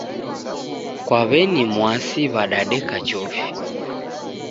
Kwa w'eni Mwasi wadadeka chofi.